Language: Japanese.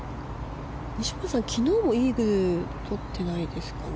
西村さん、昨日もイーグルとってないですかね。